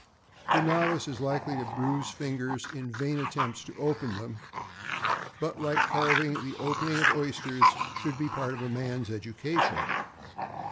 The novice is likely to bruise fingers in vain attempts to open them; but, like carving, the opening of oysters should be part of a man's education.